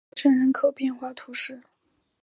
索镇人口变化图示